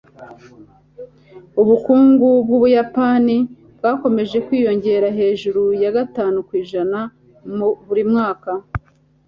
ubukungu bw'ubuyapani bwakomeje kwiyongera hejuru ya gatanu kwijana buri mwaka